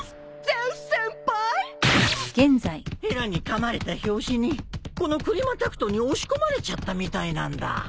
ヘラにかまれた拍子にこの天候棒に押し込まれちゃったみたいなんだ。